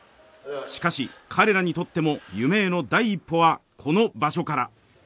しかし、彼らにとっても夢への第一歩はこの場所から。